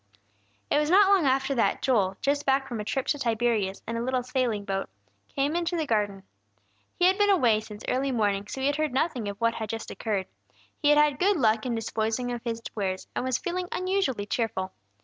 It was not long after that Joel, just back from a trip to Tiberias in a little sailing boat, came into the garden. He had been away since early morning, so had heard nothing of what had just occurred; he had had good luck in disposing of his wares, and was feeling unusually cheerful.